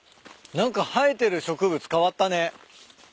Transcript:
何か生えてる植物変わったね。